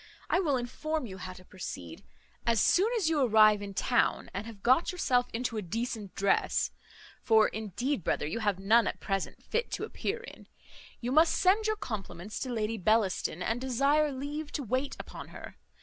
I will inform you how to proceed. As soon as you arrive in town, and have got yourself into a decent dress (for indeed, brother, you have none at present fit to appear in), you must send your compliments to Lady Bellaston, and desire leave to wait on her.